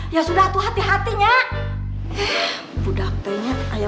ya sudah tuh hati hatinya